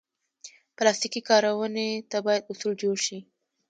پلاستيکي کارونې ته باید اصول جوړ شي.